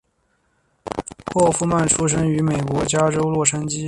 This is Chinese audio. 霍夫曼出生于美国加州洛杉矶。